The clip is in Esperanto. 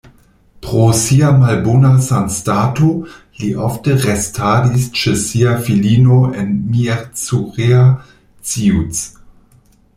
Pro sia malbona sanstato li ofte restadis ĉe sia filino en Miercurea Ciuc.